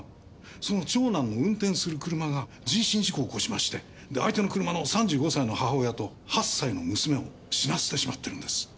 その長男の運転する車が人身事故を起こしまして相手の車の３５歳の母親と８歳の娘を死なせてしまってるんです。